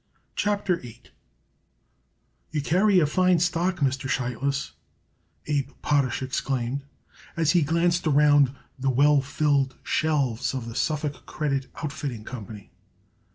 CHAPTER VIII "You carry a fine stock, Mr. Sheitlis," Abe Potash exclaimed as he glanced around the well filled shelves of the Suffolk Credit Outfitting Company.